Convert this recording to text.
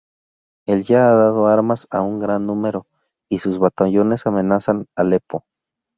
Él ya ha dado armas a un gran número, y sus batallones amenazan Alepo.